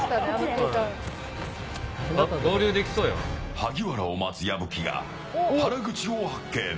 萩原を待つ矢吹が原口を発見。